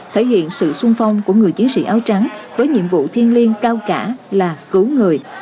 thể hiện sự sung phong của người chiến sĩ áo trắng với nhiệm vụ thiên liên cao cả là cứu người